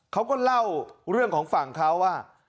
เขาก็เล่าเรื่องของฝั่งเขาว่า